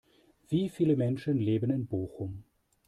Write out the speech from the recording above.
Wie viele Menschen leben in Bochum?